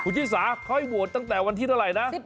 ชิสาเขาให้โหวตตั้งแต่วันที่เท่าไหร่นะ